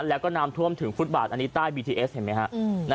แล้วก็น้ำท่วมถึงฟุตบาทอันนี้ใต้บีทีเอสเห็นไหมฮะ